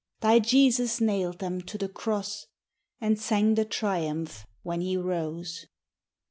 Thy Jesus nail'd them to the cross. And sang the biumph when he rose.